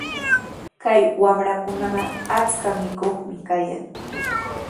Kay wamrakunaqa achka mikuqmi kayan.